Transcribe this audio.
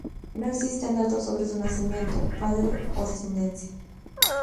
No existen datos sobre su nacimiento, padres o descendencia.